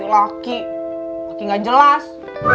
laki laki nggak jelas